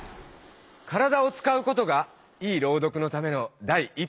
体をつかうことがいい朗読のためのだい一歩なんだ！